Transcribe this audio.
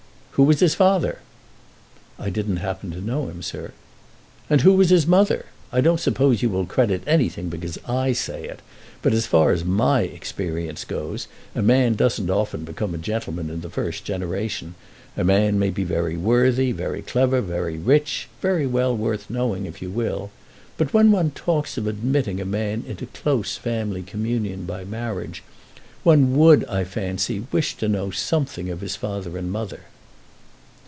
"Who was his father?" "I didn't happen to know him, sir." "And who was his mother? I don't suppose you will credit anything because I say it, but as far as my experience goes, a man doesn't often become a gentleman in the first generation. A man may be very worthy, very clever, very rich, very well worth knowing, if you will; but when one talks of admitting a man into close family communion by marriage, one would, I fancy, wish to know something of his father and mother."